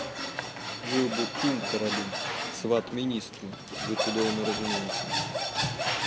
Жыў бы кум каралю, сват міністру, вы цудоўна разумееце.